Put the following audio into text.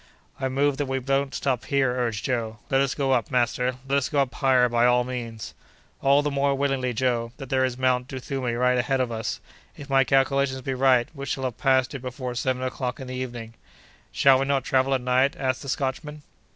"I move that we don't stop here!" urged Joe; "let us go up, master, let us go up higher by all means." "All the more willingly, Joe, that there is Mount Duthumi right ahead of us. If my calculations be right we shall have passed it before seven o'clock in the evening." "Shall we not travel at night?" asked the Scotchman.